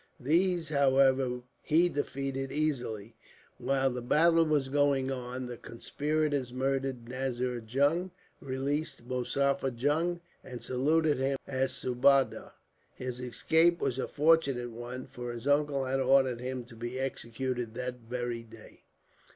These, however, he defeated easily. While the battle was going on, the conspirators murdered Nazir Jung, released Muzaffar Jung, and saluted him as subadar. His escape was a fortunate one, for his uncle had ordered him to be executed that very day.